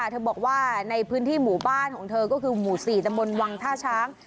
เธอบอกว่าในพื้นที่หมู่บ้านของเธอก็คือหมู่๔ตะมนต์วังท่าช้าง